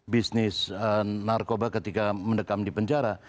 bisnis narkoba ketika mendekam di penjara